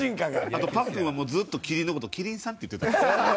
あとパックンはもうずっとキリンの事を「キリンさん」って言ってた。